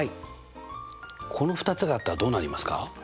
この２つがあったらどうなりますか？